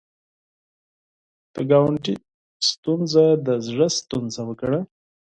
د ګاونډي ستونزه د زړه ستونزه وګڼه